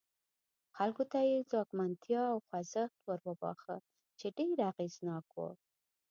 خلکو ته یې ځواکمنتیا او خوځښت وروباښه چې ډېر اغېزناک و.